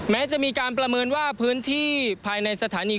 แม้จะมีการประเมินว่าพื้นที่ภายในสถานี